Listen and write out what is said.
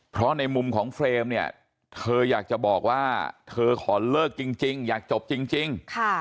เพราะในมุมของเฟรมเนี่ยเธออยากจะบอกว่าเธอขอเลิกจริงอยากจบจริง